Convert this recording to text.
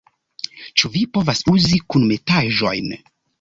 - Ĉu vi povas uzi kunmetaĵojn?